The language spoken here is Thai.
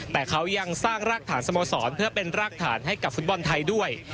แต่เขายังสร้างรากฐานสโมสรเพื่อเป็นรากฐานให้กับฟุตบอลไทยด้วย